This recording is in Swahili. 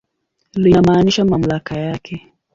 Linamaanisha mamlaka yake.